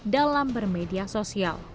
dalam bermedia sosial